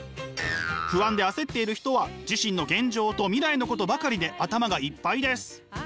不安で焦っている人は自身の現状と未来のことばかりで頭がいっぱいです。